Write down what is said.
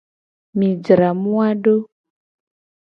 Mi jra moa do.